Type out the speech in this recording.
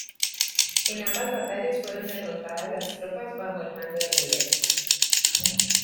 En ambas batallas fueron derrotadas las tropas bajo el mando de Rivera.